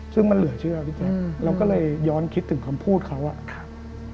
ซึ่งมันเหลือเชื่อพี่แจ๊คเราก็เลยย้อนคิดถึงคำพูดเขาอ่ะครับ